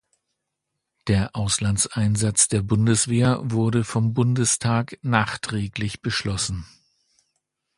Der Auslandseinsatz der Bundeswehr wurde vom Bundestag nachträglich beschlossen.